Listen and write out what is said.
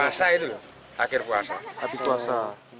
lalu hari itu akhir puasa